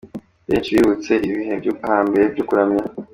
Benshi bibutse ibihe byo hambere byo kuramya